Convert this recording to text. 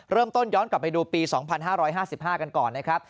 เริ่มต้นย้อนกลับไปดูปี๒๕๕๕กันก่อนนะครับ